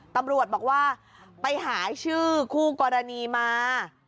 ตำรวจบอกว่าไปหาชื่อคู่กรณีมา